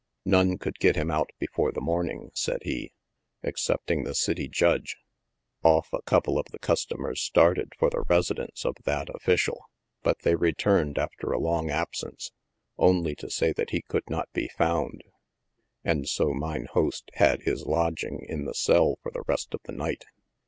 " None could get him out before the morning," said he, "excepting the City Judge." Off a couple of the customers started for the residence of that offi cial, but they returned, after a long absence, only to say that he could not be found ; and so " mine host" had his lodging in the cell for the rest of the night.